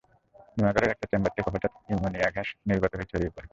হিমাগারের একটি চেম্বার থেকে হঠাৎ অ্যামোনিয়া গ্যাস নির্গত হয়ে ছড়িয়ে পড়ে।